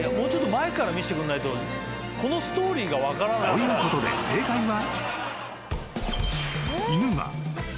［ということで正解は］